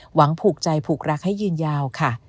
ผูกใจผูกรักให้ยืนยาวค่ะ